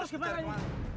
di sini serem